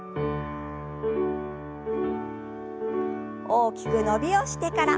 大きく伸びをしてから。